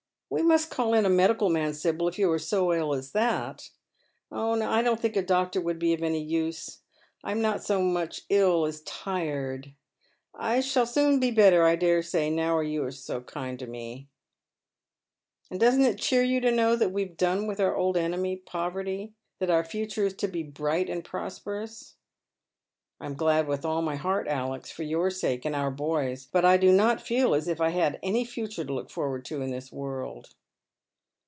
" We must call in a medical man, Sibyl, if you are so ill as that." " I don't think a doctor would be of any use. I am not so much ill as tired. I shall soon be better, I dare say, now you sre fiO bind to mo." " It is not now aa t has been of yore." 329 " And doesn't it cheer you to know that we have done with our old enemy, poverty; that our future is to be bright and prosperous ?"" I am glad with all my heart, Alex, for your sake and our boy's ; but I do not feel as if I had any future to look forward lo in this world."